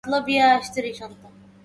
ردني صالح وقال اعتلالا